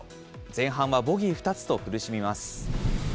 前半はボギー２つと苦しみます。